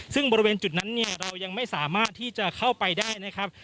ซึ่งบริเวณจุดนั้นเนี่ยเรายังไม่สามารถที่จะเข้าไปได้นะครับ